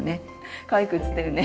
かわいく写ってるね！